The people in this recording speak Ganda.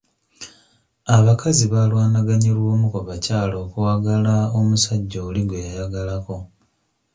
Abakazi baalwanaganye lw'omu ku bakyala okwagala omusajja oli gwe yayagala ko.